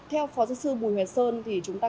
theo phó giáo sư bùi huệ sơn thì chúng ta